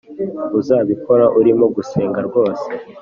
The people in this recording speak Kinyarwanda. uzabikora urimo gusenga rwose